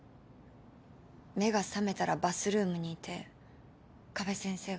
目が覚めたらバスルームにいて加部先生が。